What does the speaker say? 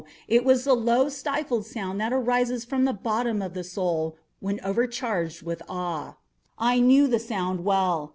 —it was the low stifled sound that arises from the bottom of the soul when overcharged with awe. I knew the sound well.